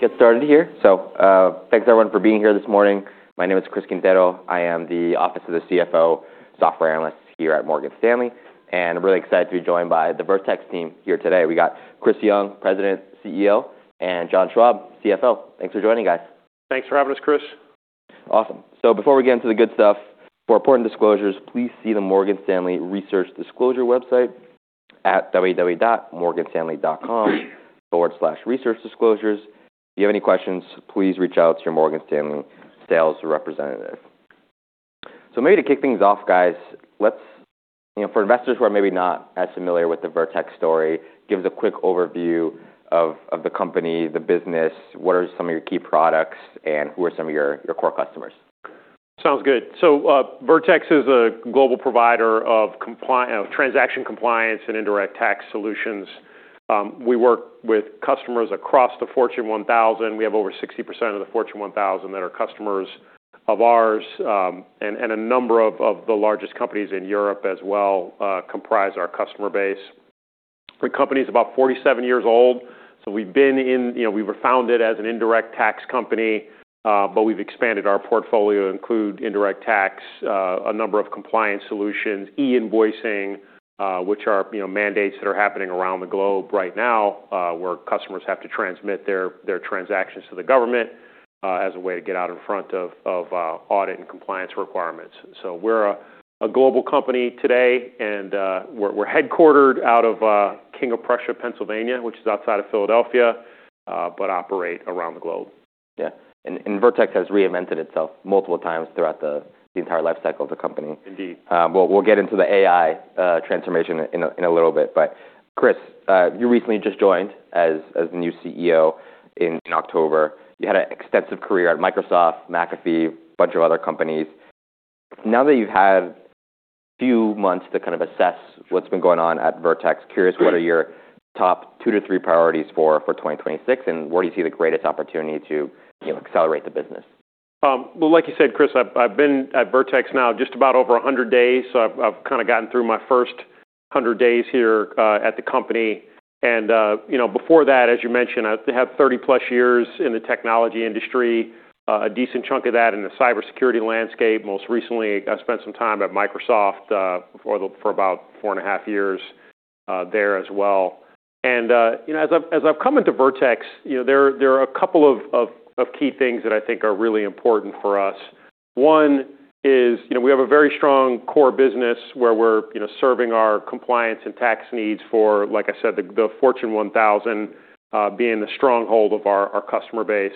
Get started here. Thanks everyone for being here this morning. My name is Chris Quintero. I am the Office of the CFO Software Analyst here at Morgan Stanley, and I'm really excited to be joined by the Vertex team here today. We got Chris Young, President, CEO, and John Schwab, CFO. Thanks for joining, guys. Thanks for having us, Chris. Awesome. Before we get into the good stuff, for important disclosures, please see the Morgan Stanley Research Disclosure website at www.morganstanley.com/researchdisclosures. If you have any questions, please reach out to your Morgan Stanley sales representative. Maybe to kick things off, guys, you know, for investors who are maybe not as familiar with the Vertex story, give us a quick overview of the company, the business, what are some of your key products, and who are some of your core customers. Sounds good. Vertex is a global provider of transaction compliance and indirect tax solutions. We work with customers across the Fortune 1000. We have over 60% of the Fortune 1000 that are customers of ours, and a number of the largest companies in Europe as well comprise our customer base. The company is about 47 years old. You know, we were founded as an indirect tax company, we've expanded our portfolio to include indirect tax, a number of compliance solutions, e-invoicing, which are, you know, mandates that are happening around the globe right now, where customers have to transmit their transactions to the government as a way to get out in front of audit and compliance requirements. We're a global company today, and we're headquartered out of King of Prussia, Pennsylvania, which is outside of Philadelphia, but operate around the globe. Yeah. Vertex has reinvented itself multiple times throughout the entire lifecycle of the company. Indeed. We'll get into the AI transformation in a little bit. Chris, you recently just joined as new CEO in October. You had an extensive career at Microsoft, McAfee, bunch of other companies. Now that you've had a few months to kind of assess what's been going on at Vertex, curious what are your top two to three priorities for 2026, and where do you see the greatest opportunity to, you know, accelerate the business? Well, like you said, Chris, I've been at Vertex now just about over 100 days, so I've kinda gotten through my first 100 days here at the company. You know, before that, as you mentioned, I have 30+ years in the technology industry, a decent chunk of that in the cybersecurity landscape. Most recently, I spent some time at Microsoft for about four and a half years there as well. You know, as I've come into Vertex, you know, there are a couple of key things that I think are really important for us. One is, you know, we have a very strong core business where we're, you know, serving our compliance and tax needs for, like I said, the Fortune 1000, being the stronghold of our customer base.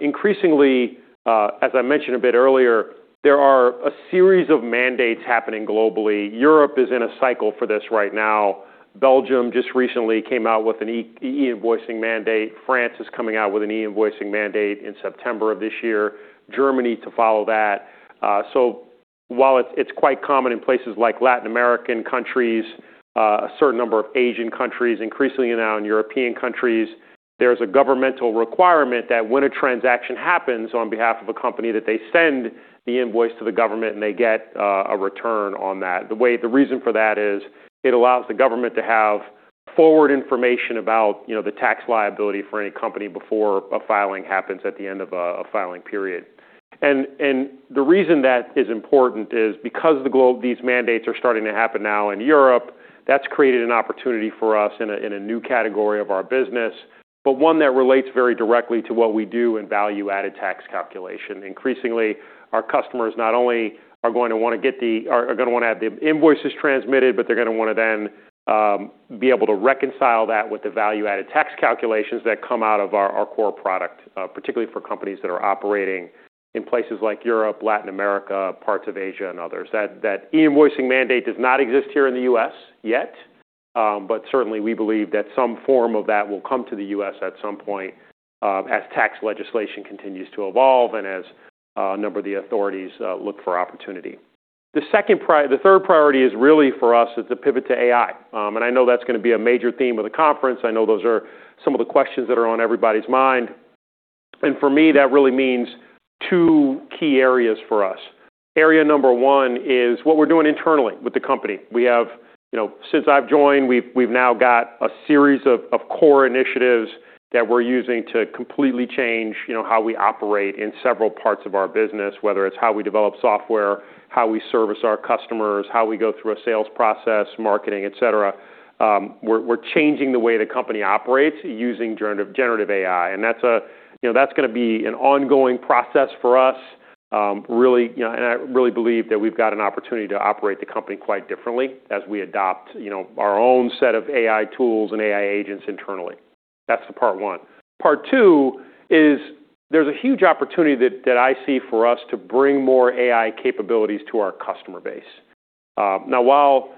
Increasingly, as I mentioned a bit earlier, there are a series of mandates happening globally. Europe is in a cycle for this right now. Belgium just recently came out with an e-invoicing mandate. France is coming out with an e-invoicing mandate in September of this year. Germany to follow that. While it's quite common in places like Latin American countries, a certain number of Asian countries, increasingly now in European countries, there's a governmental requirement that when a transaction happens on behalf of a company, that they send the invoice to the government, and they get, a return on that. The reason for that is it allows the government to have forward information about, you know, the tax liability for any company before a filing happens at the end of a filing period. The reason that is important is because these mandates are starting to happen now in Europe, that's created an opportunity for us in a new category of our business, but one that relates very directly to what we do in value-added tax calculation. Increasingly, our customers not only are going to wanna have the invoices transmitted, but they're gonna wanna then be able to reconcile that with the value-added tax calculations that come out of our core product, particularly for companies that are operating in places like Europe, Latin America, parts of Asia, and others. That e-invoicing mandate does not exist here in the U.S. Yet. Certainly we believe that some form of that will come to the U.S. at some point as tax legislation continues to evolve and as a number of the authorities look for opportunity. The third priority is really for us is the pivot to AI. I know that's gonna be a major theme of the conference. I know those are some of the questions that are on everybody's mind. For me, that really means two key areas for us. Area number one is what we're doing internally with the company. We have... You know, since I've joined, we've now got a series of core initiatives that we're using to completely change, you know, how we operate in several parts of our business, whether it's how we develop software, how we service our customers, how we go through a sales process, marketing, et cetera. We're changing the way the company operates using generative AI, and that's a. You know, that's gonna be an ongoing process for us. Really, you know, and I really believe that we've got an opportunity to operate the company quite differently as we adopt, you know, our own set of AI tools and AI agents internally. That's the Part one. Part two is there's a huge opportunity that I see for us to bring more AI capabilities to our customer base. Now, while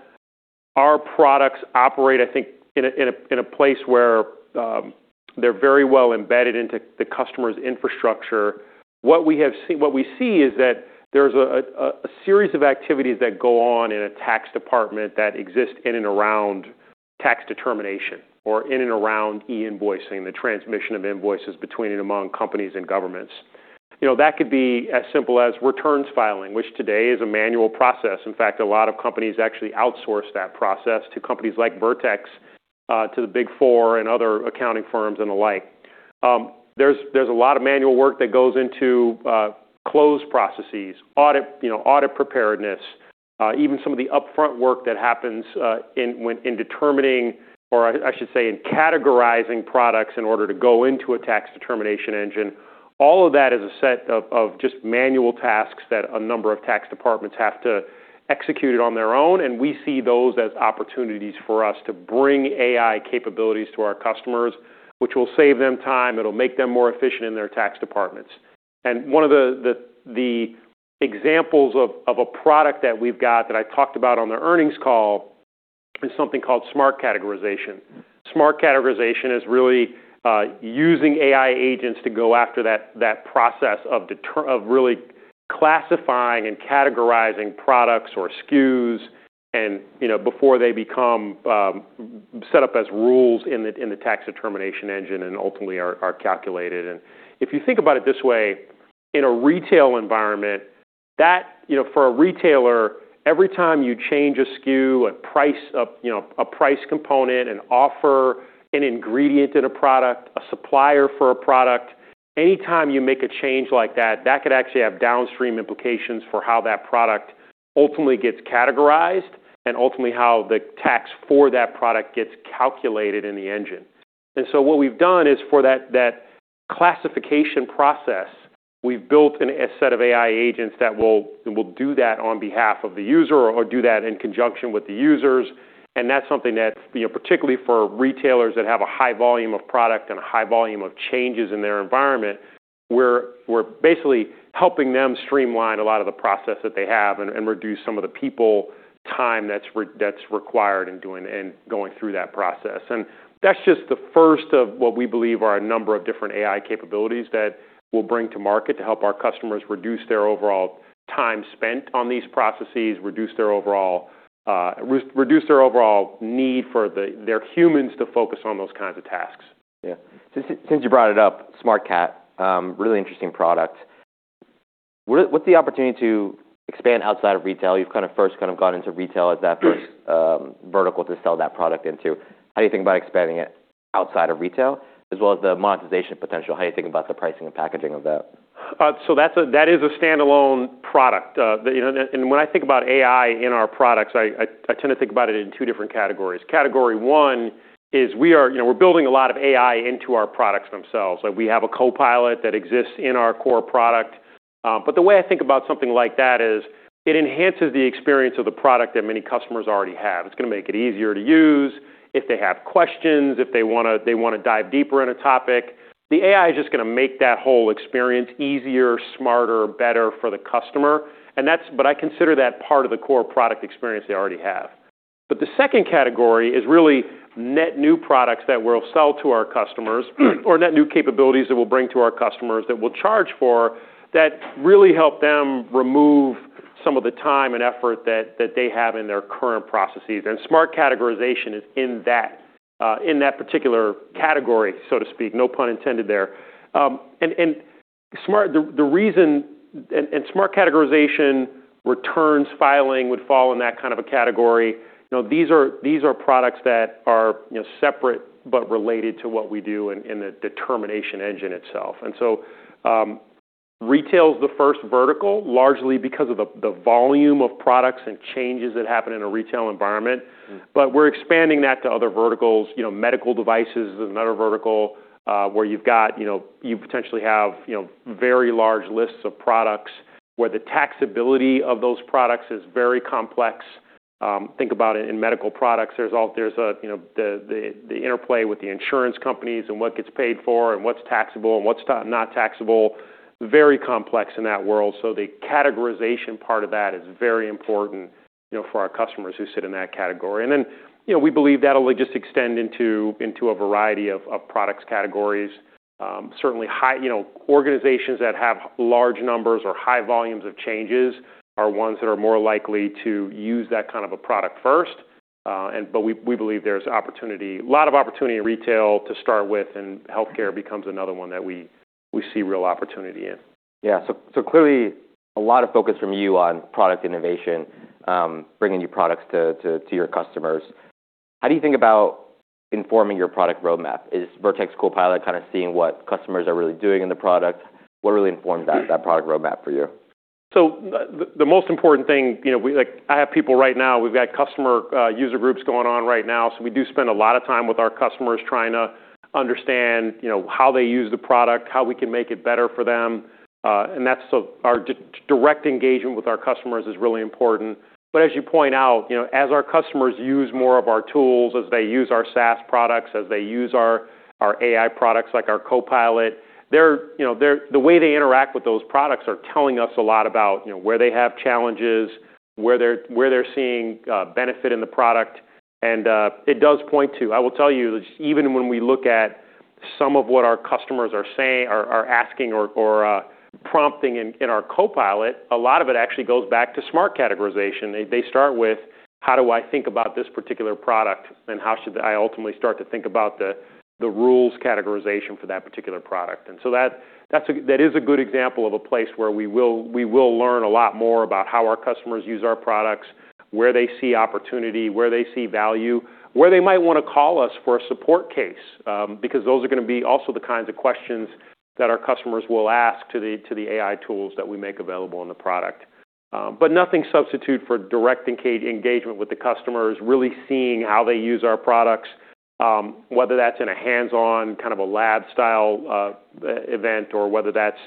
our products operate, I think, in a, in a, in a place where, they're very well embedded into the customer's infrastructure, what we see is that there's a, a series of activities that go on in a tax department that exist in and around tax determination or in and around e-invoicing, the transmission of invoices between and among companies and governments. You know, that could be as simple as returns filing, which today is a manual process. In fact, a lot of companies actually outsource that process to companies like Vertex, to the Big Four and other accounting firms and the like. There's a lot of manual work that goes into close processes, audit, you know, audit preparedness, even some of the upfront work that happens in determining, or I should say in categorizing products in order to go into a tax determination engine. All of that is a set of just manual tasks that a number of tax departments have to execute it on their own, and we see those as opportunities for us to bring AI capabilities to our customers, which will save them time. It'll make them more efficient in their tax departments. One of the examples of a product that we've got that I talked about on the earnings call is something called Vertex Smart Categorization. Smart Categorization is really using AI agents to go after that process of really classifying and categorizing products or SKUs and, you know, before they become set up as rules in the, in the tax determination engine and ultimately are calculated. If you think about it this way, in a retail environment that, you know, for a retailer, every time you change a SKU, a price of, you know, a price component, an offer, an ingredient in a product, a supplier for a product, anytime you make a change like that could actually have downstream implications for how that product ultimately gets categorized and ultimately how the tax for that product gets calculated in the engine. What we've done is for that classification process, we've built a set of AI agents that will do that on behalf of the user or do that in conjunction with the users. That's something that, you know, particularly for retailers that have a high volume of product and a high volume of changes in their environment, we're basically helping them streamline a lot of the process that they have and reduce some of the people time that's required in doing and going through that process. That's just the first of what we believe are a number of different AI capabilities that we'll bring to market to help our customers reduce their overall time spent on these processes, reduce their overall, reduce their overall need for their humans to focus on those kinds of tasks. Yeah. Since you brought it up, Smart Categorization, really interesting product. What's the opportunity to expand outside of retail? You've kind of first gone into retail as that first- Yes vertical to sell that product into. How do you think about expanding it outside of retail as well as the monetization potential? How are you thinking about the pricing and packaging of that? That is a standalone product. You know, and when I think about AI in our products, I tend to think about it in two different categories. Category one is, you know, we're building a lot of AI into our products themselves. Like, we have a Copilot that exists in our core product. The way I think about something like that is it enhances the experience of the product that many customers already have. It's gonna make it easier to use if they have questions, if they wanna dive deeper in a topic. The AI is just gonna make that whole experience easier, smarter, better for the customer, and I consider that part of the core product experience they already have. The second category is really net new products that we'll sell to our customers or net new capabilities that we'll bring to our customers that we'll charge for that really help them remove some of the time and effort that they have in their current processes. Smart Categorization is in that in that particular category, so to speak. No pun intended there. Smart Categorization returns filing would fall in that kind of a category. You know, these are products that are, you know, separate but related to what we do in the determination engine itself. Retail is the first vertical, largely because of the volume of products and changes that happen in a retail environment. Mm-hmm. We're expanding that to other verticals. You know, medical devices is another vertical, where you've got, you know, you potentially have, you know, very large lists of products where the taxability of those products is very complex. Think about it in medical products. There's a, you know, the, the interplay with the insurance companies and what gets paid for and what's taxable and what's not taxable. Very complex in that world. The categorization part of that is very important, you know, for our customers who sit in that category. You know, we believe that'll just extend into a variety of product categories. Certainly high, you know, organizations that have large numbers or high volumes of changes are ones that are more likely to use that kind of a product first. We believe there's opportunity, a lot of opportunity in retail to start with, and healthcare becomes another one that we see real opportunity in. Clearly a lot of focus from you on product innovation, bringing new products to your customers. How do you think about informing your product roadmap? Is Vertex Copilot kind of seeing what customers are really doing in the product? What really informs that product roadmap for you? The most important thing, you know, I have people right now, we've got customer user groups going on right now, so we do spend a lot of time with our customers trying to understand, you know, how they use the product, how we can make it better for them. That's so our direct engagement with our customers is really important. As you point out, you know, as our customers use more of our tools, as they use our SaaS products, as they use our AI products like our Copilot, the way they interact with those products are telling us a lot about, you know, where they have challenges, where they're seeing benefit in the product. It does point to... I will tell you, even when we look at some of what our customers are saying, are asking or prompting in our Copilot, a lot of it actually goes back to Smart Categorization. They start with, "How do I think about this particular product, and how should I ultimately start to think about the rules categorization for that particular product?" That is a good example of a place where we will learn a lot more about how our customers use our products, where they see opportunity, where they see value, where they might wanna call us for a support case, because those are gonna be also the kinds of questions that our customers will ask to the AI tools that we make available in the product. Nothing substitute for direct engagement with the customers, really seeing how they use our products, whether that's in a hands-on kind of a lab-style, e-event, or whether that's,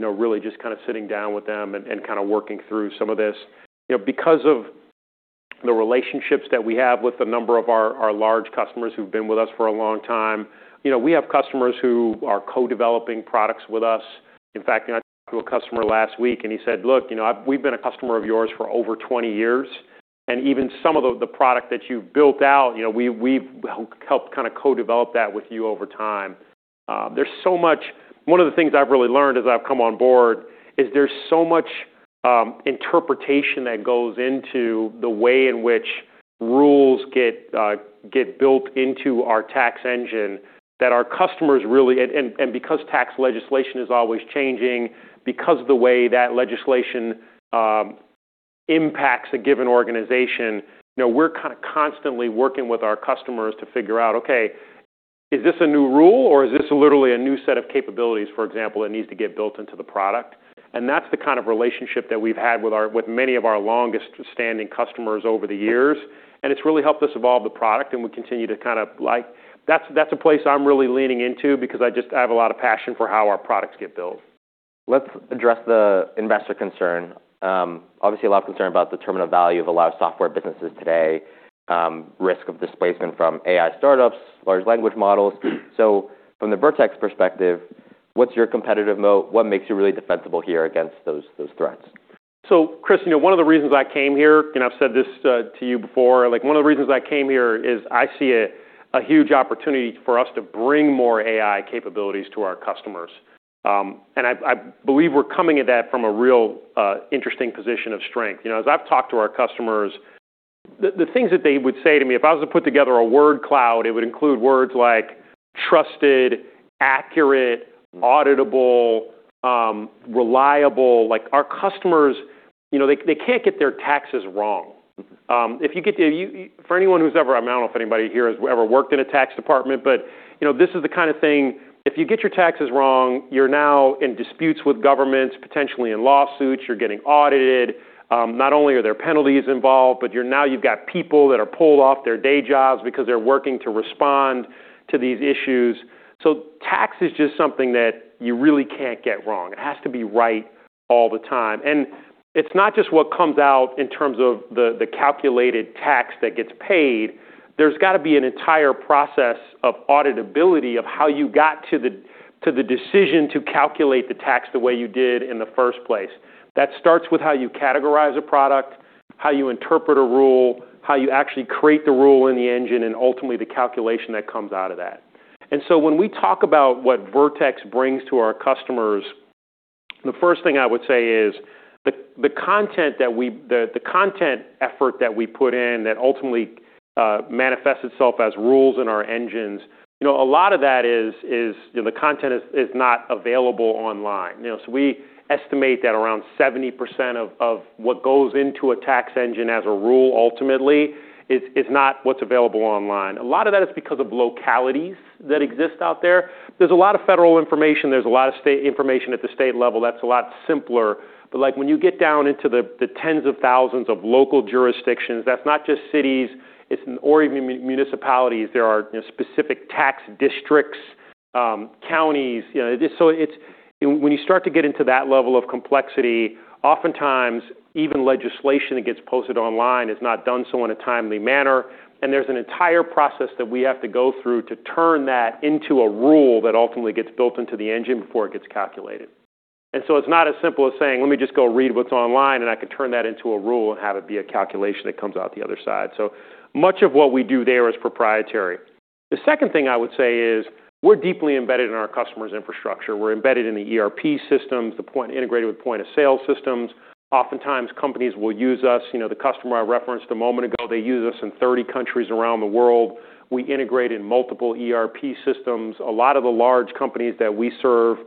you know, really just kinda sitting down with them and kinda working through some of this. You know, because of the relationships that we have with a number of our large customers who've been with us for a long time, you know, we have customers who are co-developing products with us. In fact, you know, I talked to a customer last week, and he said, "Look, you know, we've been a customer of yours for over 20 years, and even some of the product that you've built out, you know, we've helped kinda co-develop that with you over time." There's so much... One of the things I've really learned as I've come on board is there's so much interpretation that goes into the way in which rules get built into our tax engine that our customers really. Because tax legislation is always changing, because of the way that legislation impacts a given organization, you know, we're kinda constantly working with our customers to figure out, okay, is this a new rule, or is this literally a new set of capabilities, for example, that needs to get built into the product? That's the kind of relationship that we've had with many of our longest-standing customers over the years. It's really helped us evolve the product, and we continue to kind of like. That's a place I'm really leaning into because I just have a lot of passion for how our products get built. Let's address the investor concern. Obviously a lot of concern about the terminal value of a lot of software businesses today, risk of displacement from AI startups, Large Language Models. From the Vertex perspective, what's your competitive moat? What makes you really defensible here against those threats? Chris, you know, one of the reasons I came here, and I've said this to you before, like one of the reasons I came here is I see a huge opportunity for us to bring more AI capabilities to our customers. I believe we're coming at that from a real interesting position of strength. You know, as I've talked to our customers, the things that they would say to me, if I was to put together a word cloud, it would include words like trusted, accurate, auditable, reliable. Like, our customers, you know, they can't get their taxes wrong. For anyone who's ever. I don't know if anybody here has ever worked in a tax department, but, you know, this is the kind of thing, if you get your taxes wrong, you're now in disputes with governments, potentially in lawsuits, you're getting audited. Not only are there penalties involved, but now you've got people that are pulled off their day jobs because they're working to respond to these issues. Tax is just something that you really can't get wrong. It has to be right all the time. It's not just what comes out in terms of the calculated tax that gets paid. There's gotta be an entire process of auditability of how you got to the decision to calculate the tax the way you did in the first place. That starts with how you categorize a product, how you interpret a rule, how you actually create the rule in the engine, and ultimately the calculation that comes out of that. When we talk about what Vertex brings to our customers, the first thing I would say is the content effort that we put in that ultimately manifests itself as rules in our engines, you know, a lot of that is, you know, the content is not available online. You know, we estimate that around 70% of what goes into a tax engine as a rule ultimately is not what's available online. A lot of that is because of localities that exist out there. There's a lot of federal information. There's a lot of state information at the state level that's a lot simpler. Like, when you get down into the tens of thousands of local jurisdictions, that's not just cities, or even municipalities. There are, you know, specific tax districts, counties. You know, when you start to get into that level of complexity, oftentimes even legislation that gets posted online is not done so in a timely manner, and there's an entire process that we have to go through to turn that into a rule that ultimately gets built into the engine before it gets calculated. It's not as simple as saying, "Let me just go read what's online, and I can turn that into a rule and have it be a calculation that comes out the other side." So much of what we do there is proprietary. The second thing I would say is we're deeply embedded in our customers' infrastructure. We're embedded in the ERP systems, integrated with point-of-sale systems. Oftentimes companies will use us. You know, the customer I referenced a moment ago, they use us in 30 countries around the world. We integrate in multiple ERP systems. A lot of the large companies that we serve,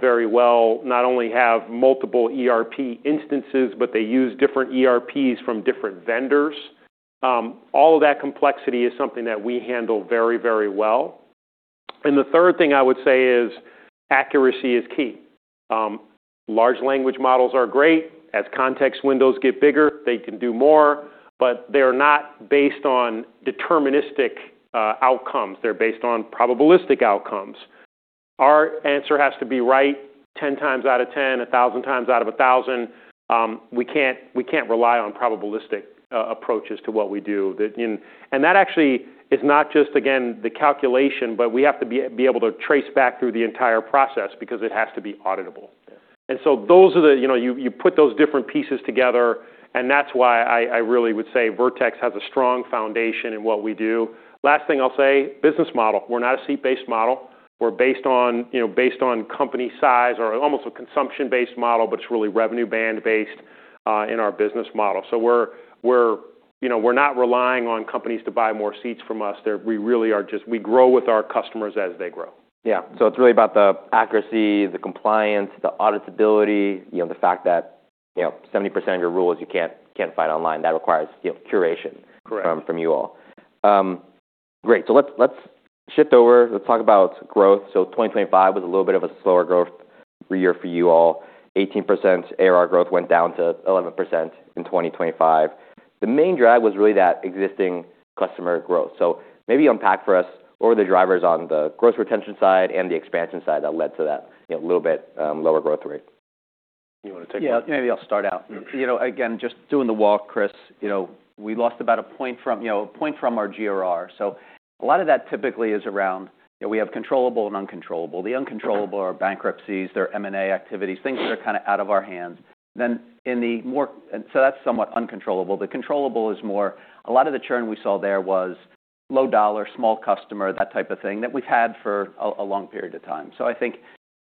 very well not only have multiple ERP instances, but they use different ERPs from different vendors. All of that complexity is something that we handle very, very well. The third thing I would say is accuracy is key. Large language models are great. As context windows get bigger, they can do more, but they're not based on deterministic outcomes. They're based on probabilistic outcomes. Our answer has to be right 10 times out of 10, 1,000 times out of 1,000. We can't rely on probabilistic approaches to what we do. That actually is not just, again, the calculation, but we have to be able to trace back through the entire process because it has to be auditable. Those are the, you know, you put those different pieces together, and that's why I really would say Vertex has a strong foundation in what we do. Last thing I'll say, business model. We're not a seat-based model. We're based on, you know, based on company size or almost a consumption-based model, but it's really revenue band-based in our business model. We're, you know, we're not relying on companies to buy more seats from us. We grow with our customers as they grow. Yeah. It's really about the accuracy, the compliance, the auditability, you know, the fact that, you know, 70% of your rules you can't find online. That requires, you know, curation- Correct. from you all. Great. Let's shift over. Let's talk about growth. 2025 was a little bit of a slower growth year for you all. 18% ARR growth went down to 11% in 2025. The main drive was really that existing customer growth. Maybe unpack for us what were the drivers on the growth retention side and the expansion side that led to that, you know, little bit lower growth rate. You wanna take that? Yeah. Maybe I'll start out. Sure. You know, again, just doing the walk, Chris, you know, we lost about a point from our GRR. A lot of that typically is around, you know, we have controllable and uncontrollable. The uncontrollable are bankruptcies, they're M&A activities, things that are kinda out of our hands. That's somewhat uncontrollable. The controllable is more a lot of the churn we saw there was low dollar, small customer, that type of thing that we've had for a long period of time. I think,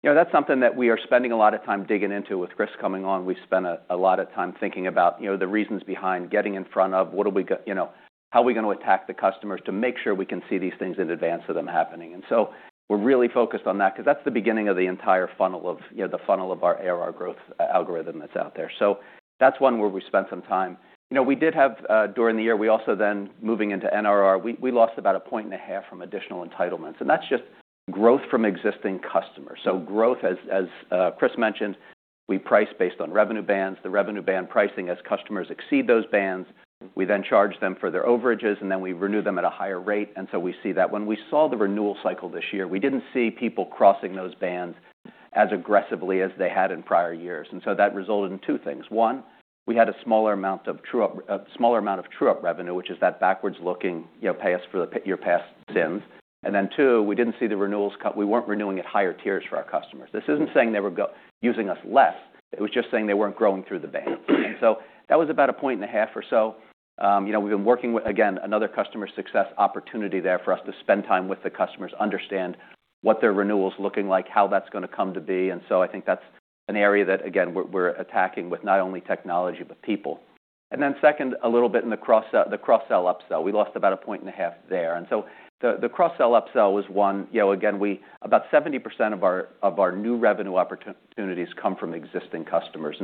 you know, that's something that we are spending a lot of time digging into. With Chris coming on, we've spent a lot of time thinking about, you know, the reasons behind getting in front of you know, how are we going to attack the customers to make sure we can see these things in advance of them happening. We're really focused on that because that's the beginning of the entire funnel of, you know, the funnel of our ARR growth algorithm that's out there. That's one where we spent some time. You know, we did have, during the year, we also then, moving into NRR, we lost about 1.5 points from additional entitlements, and that's just growth from existing customers. Growth as Chris mentioned, we price based on revenue bands. The revenue band pricing, as customers exceed those bands, we then charge them for their overages, then we renew them at a higher rate. We see that. When we saw the renewal cycle this year, we didn't see people crossing those bands as aggressively as they had in prior years. That resulted in two things. One, we had a smaller amount of true-up revenue, which is that backwards-looking, you know, pay us for the your past SIMs. Two, we didn't see the renewals we weren't renewing at higher tiers for our customers. This isn't saying they were using us less. It was just saying they weren't growing through the band. That was about 1.5 points or so. You know, we've been working with, again, another customer success opportunity there for us to spend time with the customers, understand what their renewal's looking like, how that's gonna come to be. I think that's an area that, again, we're attacking with not only technology, but people. Then second, a little bit in the cross-sell upsell. We lost about a point and a half there. The cross-sell upsell was one, you know, again, About 70% of our new revenue opportunities come from existing customers.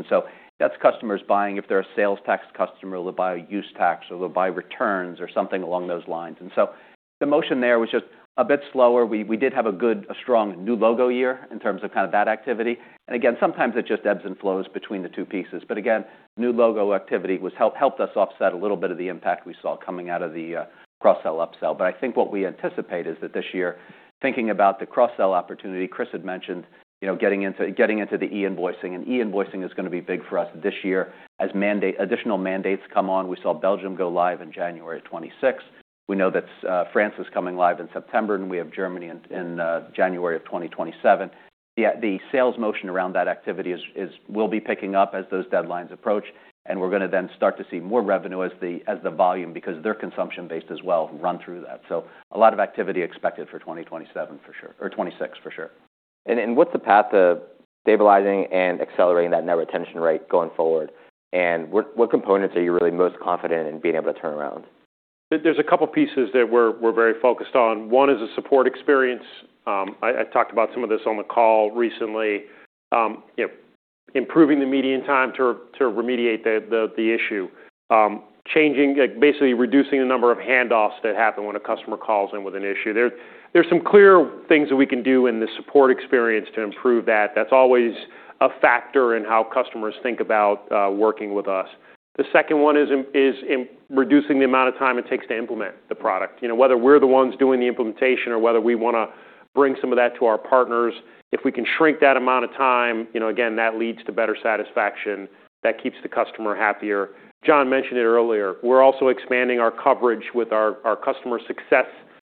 That's customers buying, if they're a sales tax customer, they'll buy a use tax, or they'll buy returns or something along those lines. The motion there was just a bit slower. We did have a good, a strong new logo year in terms of kind of that activity. Again, sometimes it just ebbs and flows between the two pieces. Again, new logo activity helped us offset a little bit of the impact we saw coming out of the cross-sell upsell. I think what we anticipate is that this year, thinking about the cross-sell opportunity, Chris had mentioned, you know, getting into the e-invoicing, e-invoicing is gonna be big for us this year as additional mandates come on. We saw Belgium go live in January of 2026. We know that France is coming live in September, and we have Germany in January of 2027. The sales motion around that activity will be picking up as those deadlines approach. We're gonna then start to see more revenue as the volume, because they're consumption-based as well, run through that. A lot of activity expected for 2027 for sure or 2026 for sure. What's the path to stabilizing and accelerating that net retention rate going forward? What components are you really most confident in being able to turn around? There's a couple pieces that we're very focused on. One is the support experience. I talked about some of this on the call recently. You know, improving the median time to remediate the issue. Changing, like, basically reducing the number of handoffs that happen when a customer calls in with an issue. There's some clear things that we can do in the support experience to improve that. That's always a factor in how customers think about working with us. The second one is reducing the amount of time it takes to implement the product. You know, whether we're the ones doing the implementation or whether we wanna bring some of that to our partners, if we can shrink that amount of time, you know, again, that leads to better satisfaction. That keeps the customer happier. John mentioned it earlier. We're also expanding our coverage with our customer success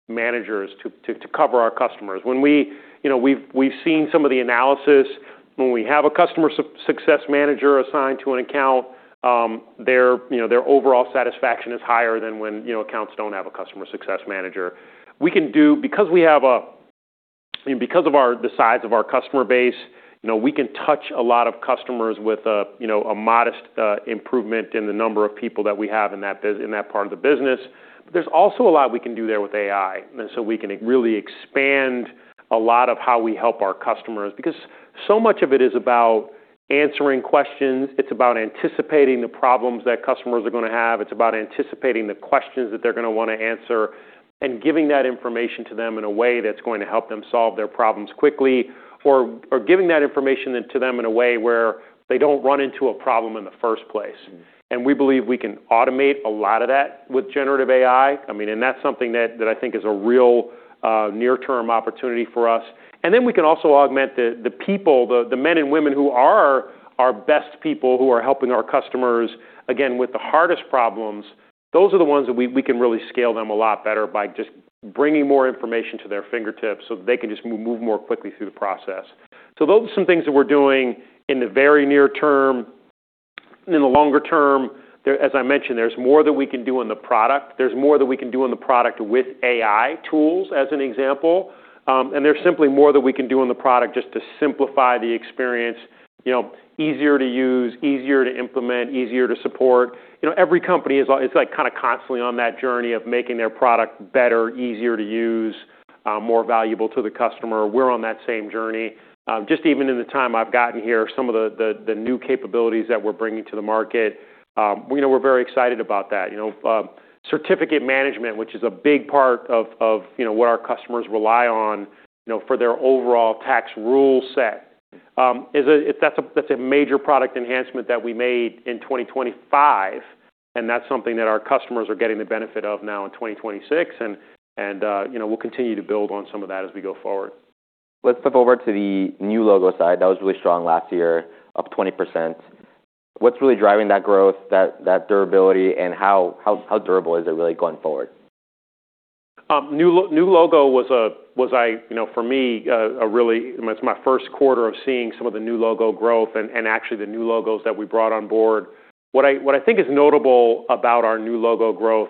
managers to cover our customers. You know, we've seen some of the analysis. When we have a customer success manager assigned to an account, their, you know, their overall satisfaction is higher than when, you know, accounts don't have a customer success manager. Because of our, the size of our customer base, you know, we can touch a lot of customers with a, you know, a modest improvement in the number of people that we have in that part of the business. There's also a lot we can do there with AI, and so we can really expand a lot of how we help our customers. Because so much of it is about answering questions. It's about anticipating the problems that customers are gonna have. It's about anticipating the questions that they're gonna wanna answer and giving that information to them in a way that's going to help them solve their problems quickly or giving that information into them in a way where they don't run into a problem in the first place. We believe we can automate a lot of that with generative AI. I mean, that's something that I think is a real near-term opportunity for us. Then we can also augment the people, the men and women who are our best people who are helping our customers, again, with the hardest problems. Those are the ones that we can really scale them a lot better by just bringing more information to their fingertips, so they can just move more quickly through the process. Those are some things that we're doing in the very near term. In the longer term, as I mentioned, there's more that we can do on the product. There's more that we can do on the product with AI tools, as an example. There's simply more that we can do on the product just to simplify the experience, you know, easier to use, easier to implement, easier to support. You know, every company is, like, constantly on that journey of making their product better, easier to use, more valuable to the customer. We're on that same journey. Just even in the time I've gotten here, some of the new capabilities that we're bringing to the market, you know, we're very excited about that. You know, certificate management, which is a big part of, you know, what our customers rely on, you know, for their overall tax rule set, that's a major product enhancement that we made in 2025, and that's something that our customers are getting the benefit of now in 2026, and, you know, we'll continue to build on some of that as we go forward. Let's flip over to the new logo side. That was really strong last year, up 20%. What's really driving that growth, that durability, and how durable is it really going forward? New logo. You know, for me, it's my first quarter of seeing some of the new logo growth and actually the new logos that we brought on board. What I think is notable about our new logo growth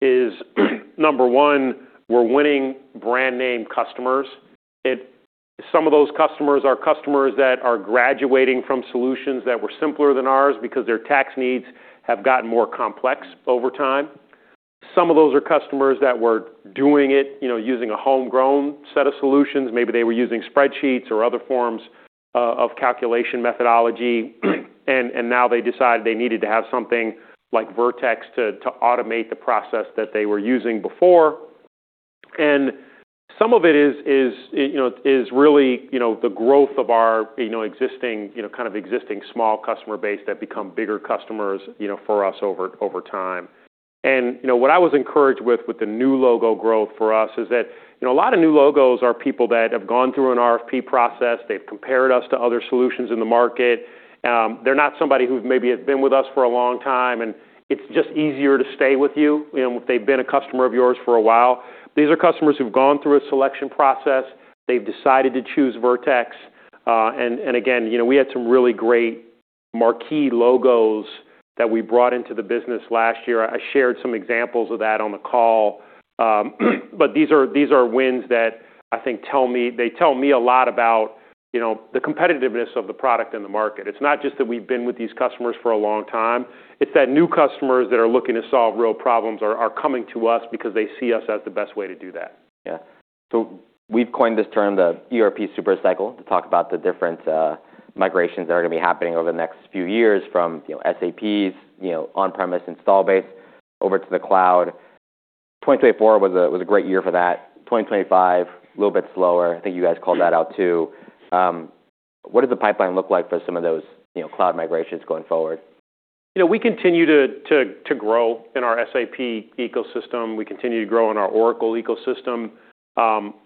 is, number one, we're winning brand name customers. Some of those customers are customers that are graduating from solutions that were simpler than ours because their tax needs have gotten more complex over time. Some of those are customers that were doing it, you know, using a homegrown set of solutions. Maybe they were using spreadsheets or other forms of calculation methodology, and now they decide they needed to have something like Vertex to automate the process that they were using before. Some of it is, you know, is really, you know, the growth of our, you know, existing kind of existing small customer base that become bigger customers, you know, for us over time. You know, what I was encouraged with the new logo growth for us is that, you know, a lot of new logos are people that have gone through an RFP process. They've compared us to other solutions in the market. They're not somebody who maybe has been with us for a long time, and it's just easier to stay with you know, if they've been a customer of yours for a while. These are customers who've gone through a selection process. They've decided to choose Vertex. Again, you know, we had some really great marquee logos that we brought into the business last year. I shared some examples of that on the call. These are wins that I think they tell me a lot about, you know, the competitiveness of the product in the market. It's not just that we've been with these customers for a long time, it's that new customers that are looking to solve real problems are coming to us because they see us as the best way to do that. Yeah. We've coined this term the ERP super cycle to talk about the different migrations that are gonna be happening over the next few years from, you know, SAP's, you know, on-premise install base over to the cloud. 2024 was a, was a great year for that. 2025, a little bit slower. I think you guys called that out too. What does the pipeline look like for some of those, you know, cloud migrations going forward? You know, we continue to grow in our SAP ecosystem. We continue to grow in our Oracle ecosystem.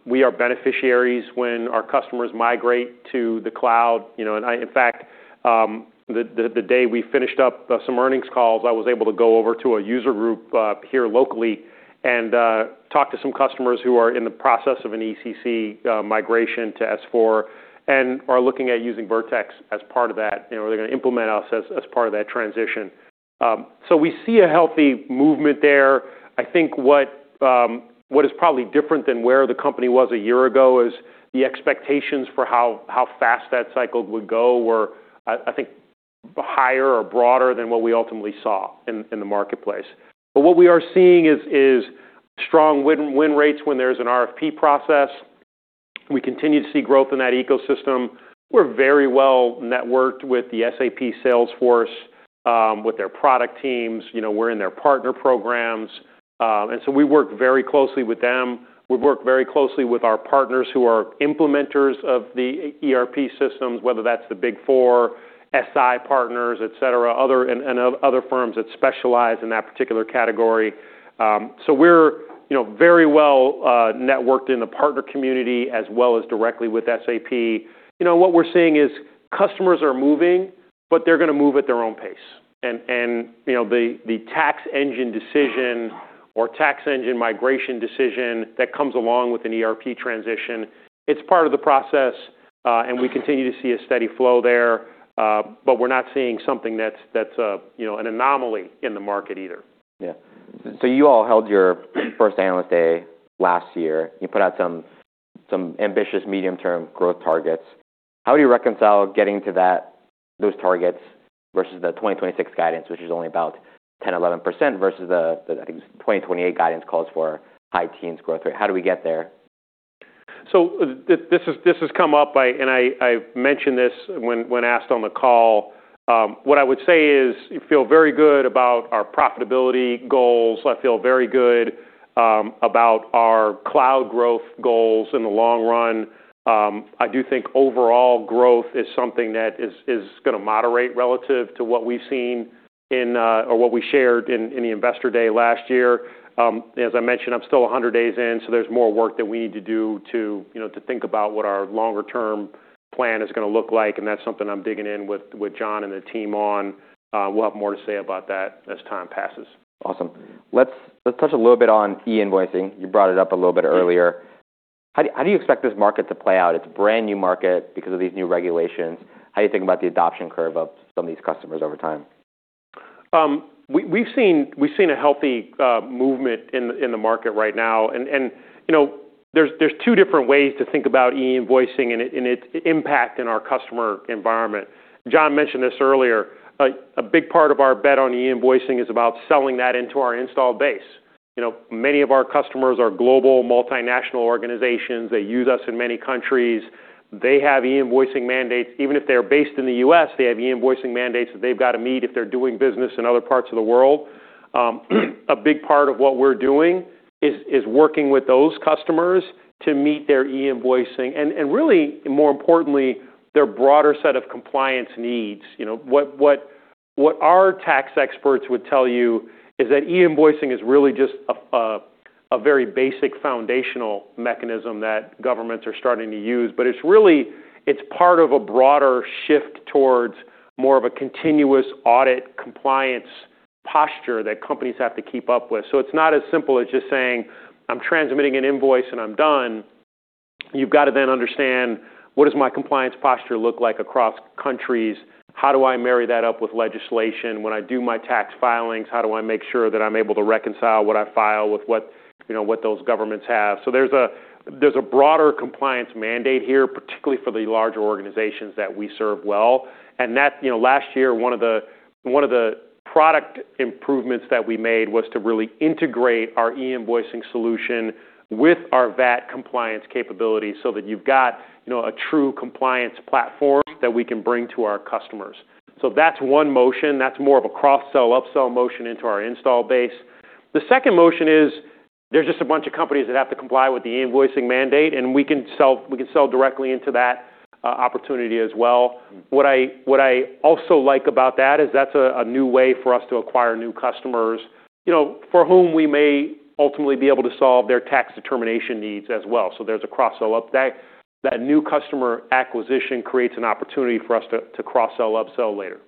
We are beneficiaries when our customers migrate to the cloud. You know, in fact, the day we finished up some earnings calls, I was able to go over to a user group here locally and talk to some customers who are in the process of an ECC migration to S/4 and are looking at using Vertex as part of that. You know, they're gonna implement us as part of that transition. We see a healthy movement there. I think what is probably different than where the company was a year ago is the expectations for how fast that cycle would go were, I think, higher or broader than what we ultimately saw in the marketplace. What we are seeing is strong win rates when there's an RFP process. We continue to see growth in that ecosystem. We're very well networked with the SAP sales force, with their product teams. You know, we're in their partner programs, and so we work very closely with them. We work very closely with our partners who are implementers of the ERP systems, whether that's the Big Four, SI partners, et cetera, and other firms that specialize in that particular category. We're, you know, very well networked in the partner community as well as directly with SAP. You know, what we're seeing is customers are moving, but they're gonna move at their own pace. You know, the tax engine decision or tax engine migration decision that comes along with an ERP transition, it's part of the process, and we continue to see a steady flow there, but we're not seeing something that's, you know, an anomaly in the market either. Yeah. You all held your first analyst day last year. You put out some ambitious medium-term growth targets. How do you reconcile getting to those targets versus the 2026 guidance, which is only about 10%, 11% versus the, I think, 2028 guidance calls for high teens growth rate? How do we get there? This is, this has come up, and I mentioned this when asked on the call. What I would say is I feel very good about our profitability goals. I feel very good about our cloud growth goals in the long run. I do think overall growth is something that is gonna moderate relative to what we've seen in, or what we shared in, the investor day last year. As I mentioned, I'm still 100 days in, so there's more work that we need to do to, you know, to think about what our longer term plan is gonna look like, and that's something I'm digging in with John and the team on. We'll have more to say about that as time passes. Awesome. Let's touch a little bit on e-invoicing. You brought it up a little bit earlier. How do you expect this market to play out? It's a brand new market because of these new regulations. How do you think about the adoption curve of some of these customers over time? We've seen a healthy movement in the market right now. You know, there's two different ways to think about e-invoicing and its impact in our customer environment. John mentioned this earlier. A big part of our bet on e-invoicing is about selling that into our installed base. You know, many of our customers are global multinational organizations. They use us in many countries. They have e-invoicing mandates. Even if they're based in the U.S., they have e-invoicing mandates that they've got to meet if they're doing business in other parts of the world. A big part of what we're doing is working with those customers to meet their e-invoicing and really, more importantly, their broader set of compliance needs. You know, what our tax experts would tell you is that e-invoicing is really just a very basic foundational mechanism that governments are starting to use, but it's really it's part of a broader shift towards more of a continuous audit compliance posture that companies have to keep up with. It's not as simple as just saying, "I'm transmitting an invoice, and I'm done." You've got to then understand, "What does my compliance posture look like across countries? How do I marry that up with legislation when I do my tax filings? How do I make sure that I'm able to reconcile what I file with what, you know, what those governments have?" There's a broader compliance mandate here, particularly for the larger organizations that we serve well. That, you know, last year, one of the product improvements that we made was to really integrate our e-invoicing solution with our VAT compliance capabilities so that you've got, you know, a true compliance platform that we can bring to our customers. That's one motion. That's more of a cross-sell upsell motion into our install base. The second motion is there's just a bunch of companies that have to comply with the invoicing mandate, and we can sell directly into that opportunity as well. What I also like about that is that's a new way for us to acquire new customers, you know, for whom we may ultimately be able to solve their tax determination needs as well. There's a cross-sell upsell. That new customer acquisition creates an opportunity for us to cross-sell, upsell later.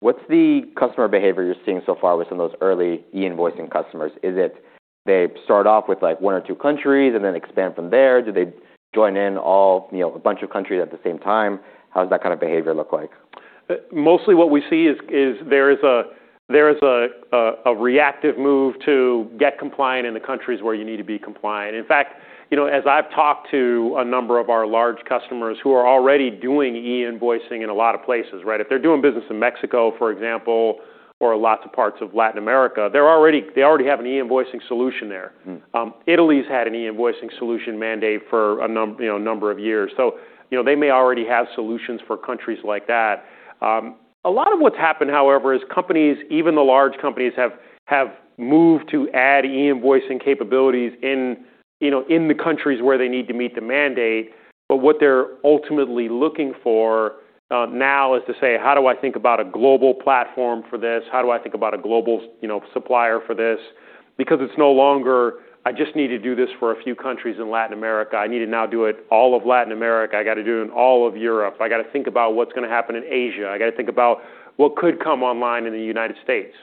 What's the customer behavior you're seeing so far with some of those early e-invoicing customers? Is it they start off with, like, one or two countries and then expand from there? Do they join in all, you know, a bunch of countries at the same time? How does that kind of behavior look like? Mostly what we see is there is a reactive move to get compliant in the countries where you need to be compliant. In fact, you know, as I've talked to a number of our large customers who are already doing e-invoicing in a lot of places, right? If they're doing business in Mexico, for example, or lots of parts of Latin America, they already have an e-invoicing solution there. Mm. Italy's had an e-invoicing solution mandate for you know, a number of years. You know, they may already have solutions for countries like that. A lot of what's happened, however, is companies, even the large companies, have moved to add e-invoicing capabilities in, you know, in the countries where they need to meet the mandate. What they're ultimately looking for, now is to say, "How do I think about a global platform for this? How do I think about a global, you know, supplier for this?" Because it's no longer I just need to do this for a few countries in Latin America. I need to now do it all of Latin America. I got to do it in all of Europe. I got to think about what's gonna happen in Asia. I got to think about what could come online in the United States.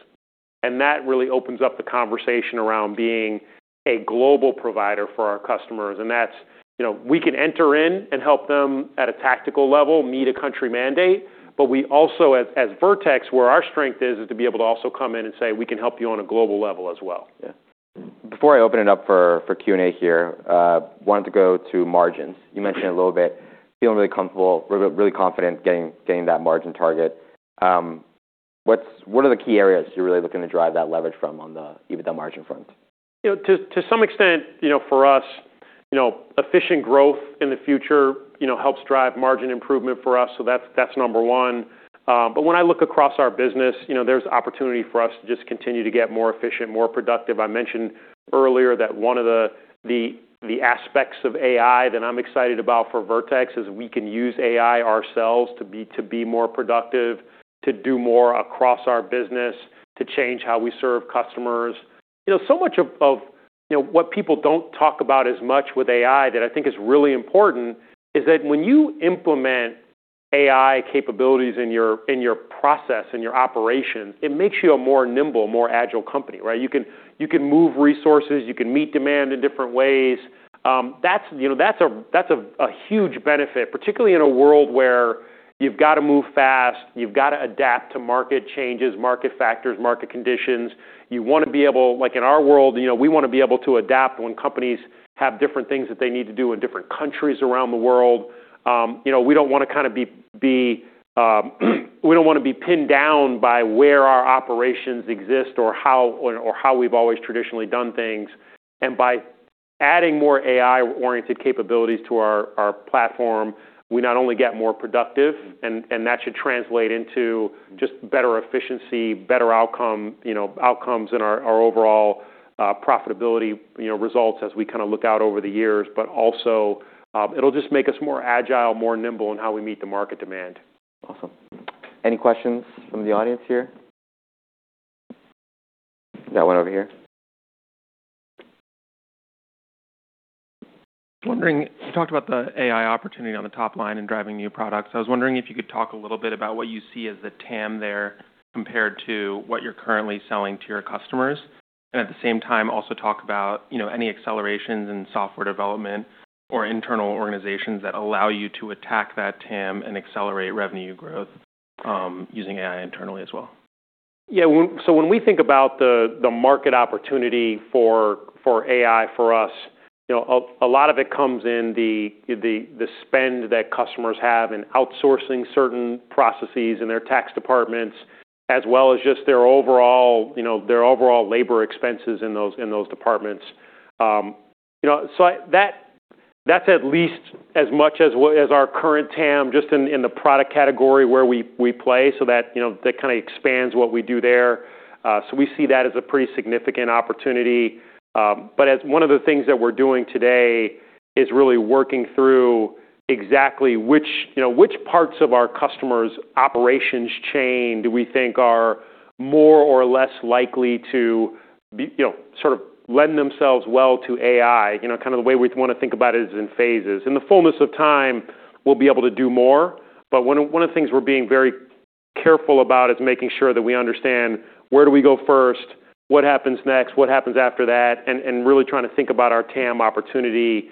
That really opens up the conversation around being a global provider for our customers. That's, you know, we can enter in and help them at a tactical level meet a country mandate, but we also as Vertex, where our strength is to be able to also come in and say, "We can help you on a global level as well. Before I open it up for Q&A here, wanted to go to margins. You mentioned a little bit, feeling really comfortable, really confident getting that margin target. What are the key areas you're really looking to drive that leverage from on the EBITDA margin front? You know, to some extent, you know, for us, you know, efficient growth in the future, you know, helps drive margin improvement for us. That's, that's number one. When I look across our business, you know, there's opportunity for us to just continue to get more efficient, more productive. I mentioned earlier that one of the aspects of AI that I'm excited about for Vertex is we can use AI ourselves to be more productive, to do more across our business, to change how we serve customers. You know, so much of, you know, what people don't talk about as much with AI that I think is really important is that when you implement AI capabilities in your process, in your operations, it makes you a more nimble, more agile company, right? You can move resources, you can meet demand in different ways. That's, you know, that's a, that's a huge benefit, particularly in a world where you've got to move fast, you've got to adapt to market changes, market factors, market conditions. Like in our world, you know, we wanna be able to adapt when companies have different things that they need to do in different countries around the world. You know, we don't wanna kind of be, we don't wanna be pinned down by where our operations exist or how we've always traditionally done things. By adding more AI-oriented capabilities to our platform, we not only get more productive, and that should translate into just better efficiency, better outcome, you know, outcomes in our overall profitability, you know, results as we kind of look out over the years. Also, it'll just make us more agile, more nimble in how we meet the market demand. Awesome. Any questions from the audience here? Got one over here. Wondering, you talked about the AI opportunity on the top line and driving new products. I was wondering if you could talk a little bit about what you see as the TAM there compared to what you're currently selling to your customers. At the same time, also talk about, you know, any accelerations in software development or internal organizations that allow you to attack that TAM and accelerate revenue growth, using AI internally as well. Yeah. When we think about the market opportunity for AI for us, you know, a lot of it comes in the spend that customers have in outsourcing certain processes in their tax departments, as well as just their overall, you know, their overall labor expenses in those departments. That's at least as much as our current TAM just in the product category where we play so that, you know, that kinda expands what we do there. We see that as a pretty significant opportunity. As one of the things that we're doing today is really working through exactly which, you know, which parts of our customers' operations chain do we think are more or less likely to be, you know, sort of lend themselves well to AI. You know, kinda the way we wanna think about it is in phases. In the fullness of time, we'll be able to do more, but one of the things we're being very careful about is making sure that we understand where do we go first, what happens next, what happens after that, and really trying to think about our TAM opportunity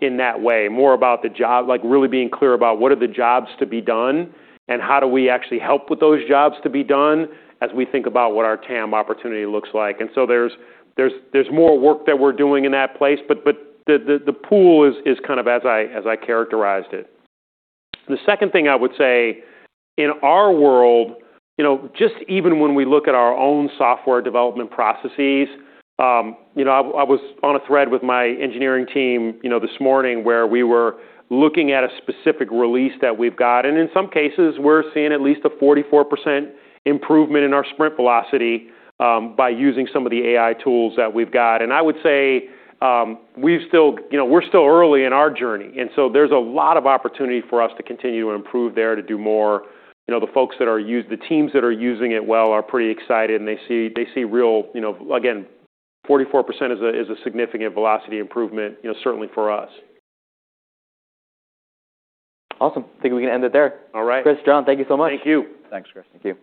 in that way. More about the job. Like, really being clear about what are the jobs to be done, and how do we actually help with those jobs to be done as we think about what our TAM opportunity looks like. There's more work that we're doing in that place, but the pool is kind of as I characterized it. The second thing I would say, in our world, you know, just even when we look at our own software development processes, you know, I was on a thread with my engineering team, you know, this morning where we were looking at a specific release that we've got, and in some cases, we're seeing at least a 44% improvement in our sprint velocity, by using some of the AI tools that we've got. I would say, we've still... You know, we're still early in our journey, there's a lot of opportunity for us to continue to improve there to do more. You know, the teams that are using it well are pretty excited, and they see, they see real, you know... Again, 44% is a, is a significant velocity improvement, you know, certainly for us. Awesome. Think we can end it there. All right. Chris, John, thank you so much. Thank you. Thanks, Chris. Thank you.